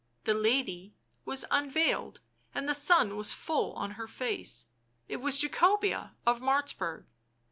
The lady was unveiled, and the sun was full on her face. It was Jacobea of Martzburg.